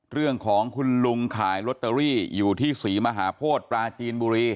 เรื่องของคุณลุงขายลอตเตอรี่อยู่ที่ศรีมหาโพธิปราจีนบุรี